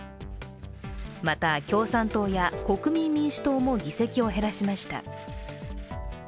また、共産党や国民民主党も議席を減らしました。